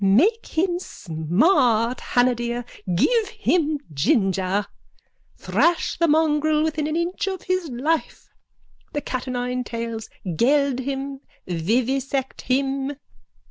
_ Make him smart, Hanna dear. Give him ginger. Thrash the mongrel within an inch of his life. The cat o' nine tails. Geld him. Vivisect him.